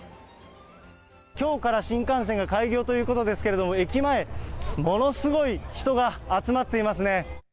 きょうから新幹線が開業ということですけれども、駅前、ものすごい人が集まっていますね。